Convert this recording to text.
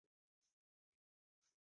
这两个级数的敛散性是一样的。